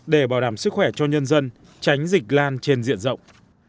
để bảo đảm sức khỏe cho nhân dân tránh dịch lan trên diện rộng